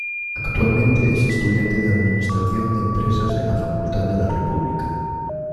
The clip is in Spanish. Actualmente es estudiante de administración de empresas en la facultad de la República.